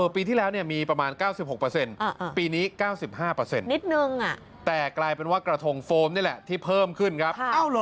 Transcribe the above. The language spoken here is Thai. ปีที่แล้วมีประมาณ๙๖ปีนี้๙๕นิดนึงแต่กลายเป็นว่ากระทงโฟมนี่แหละที่เพิ่มขึ้นครับ